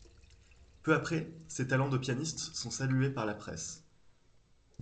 Peu après, ses talents de pianiste sont salués par la presse.